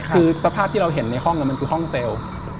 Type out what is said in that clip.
คือสภาพที่เราเห็นในห้องมันคือห้องเซลล์